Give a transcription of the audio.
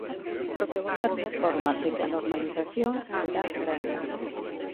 O propio goberno informa de que a normalización será gradual.